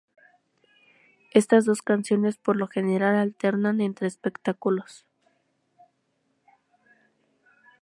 Estas dos canciones por lo general alternan entre espectáculos.